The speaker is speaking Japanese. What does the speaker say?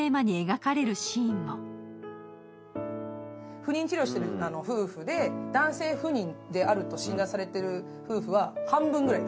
不妊治療してる夫婦で男性不妊と診断されてる夫婦は半分ぐらい。